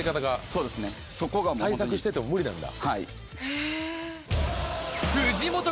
対策してても無理なんだ。